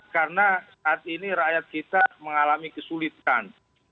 karena saat ini rakyat kita mengalami kesulitan